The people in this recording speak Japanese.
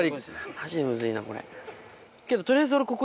マジでムズいなこれ。